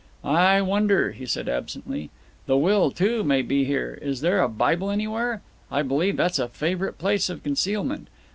"I wonder," he said absently. "The will, too, may be here. Is there a Bible anywhere? I believe that's a favourite place of concealment.